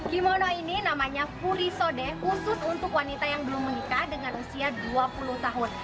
kimono ini namanya furi sode khusus untuk wanita yang belum menikah dengan usia dua puluh tahun